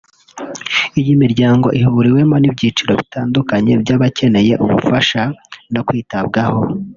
Iyi miryango ihuriwemo n’ibyiciro bitandukanye by’abakeneye ubufasha no kwitabwaho